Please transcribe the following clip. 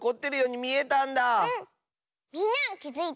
みんなはきづいた？